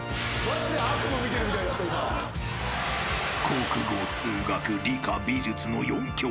［国語数学理科美術の４教科］